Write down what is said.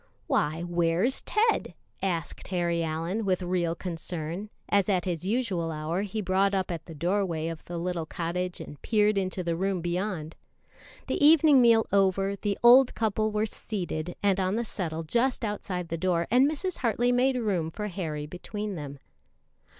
"Why, where's Ted?" asked Harry Allyn with real concern, as at his usual hour he brought up at the doorway of the little cottage and peered into the room beyond. The evening meal over, the old couple were seated on the settle just outside the door, and Mrs. Hartley made room for Harry between them.